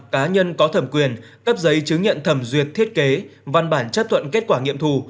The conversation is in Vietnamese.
cá nhân có thẩm quyền cấp giấy chứng nhận thẩm duyệt thiết kế văn bản chấp thuận kết quả nghiệm thù